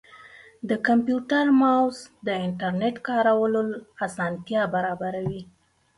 د کمپیوټر ماؤس د انټرنیټ کارولو اسانتیا برابروي.